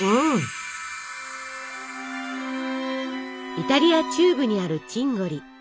イタリア中部にあるチンゴリ。